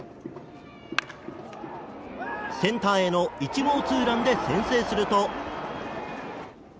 センターへの１号ツーランで先制すると。